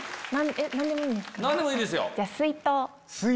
何でもいいですよ。